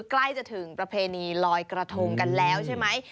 ใกล้จะถึงประเพณีลอยกระทงกันแล้วใช่ไหม